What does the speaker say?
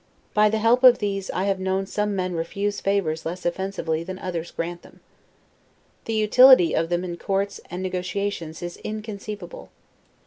By the help of these I have known some men refuse favors less offensively than others granted them. The utility of them in courts and negotiations is inconceivable.